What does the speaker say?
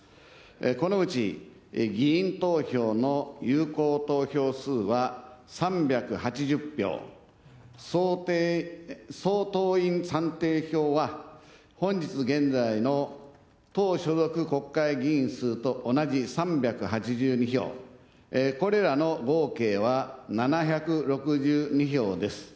このうち議員投票の有効投票数は３８０票、総党員算定票は本日現在の党所属国会議員数と同じ３８２票、これらの合計は７６２票です。